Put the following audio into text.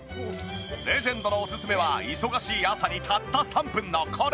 レジェンドのオススメは忙しい朝にたった３分のこれ。